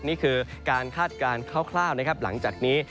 นี่คือการคาดการเข้าคล่าวหลังจากนี้